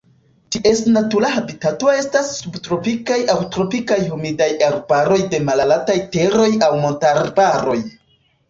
Ties natura habitato estas subtropikaj aŭ tropikaj humidaj arbaroj de malaltaj teroj aŭ montarbaroj.